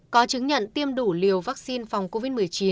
có chứng nhận tiêm đủ liều vaccine phòng covid một mươi chín